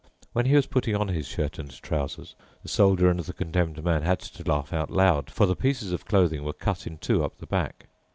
When he was putting on his shirt and trousers, the Soldier and the Condemned Man had to laugh out loud, for the pieces of clothing were cut in two up the back.